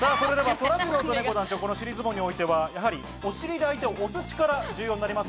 そらジローとねこ団長、尻相撲においては、お尻で相手を押す力が重要になります。